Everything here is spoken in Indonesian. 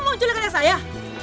kamu mau culikan anak saya